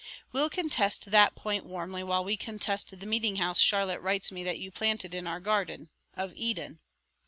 "We'll contest that point warmly while we contest the meeting house Charlotte writes me that you planted in our garden of Eden."